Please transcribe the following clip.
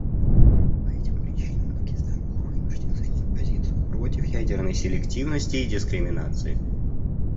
По этим причинам Пакистан был вынужден занять позицию против ядерной селективности и дискриминации.